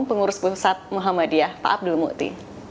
pengurus pusat muhammadiyah pak abdul mukti